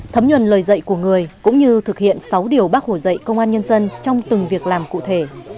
thấm nhuần lời dạy của người cũng như thực hiện sáu điều bác hồ dạy công an nhân dân trong từng việc làm cụ thể